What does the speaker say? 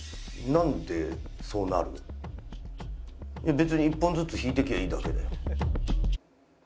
別に１本ずつ引いていけばいいだけだよ。